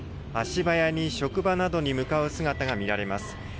足早に職場などに向かう姿が見られます。